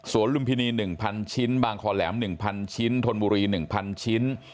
ลุมพินี๑๐๐ชิ้นบางคอแหลม๑๐๐ชิ้นธนบุรี๑๐๐ชิ้น